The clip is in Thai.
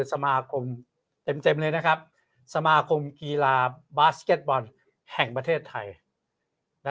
สมาคมเต็มเลยนะครับสมาคมกีฬาบาสเก็ตบอลแห่งประเทศไทย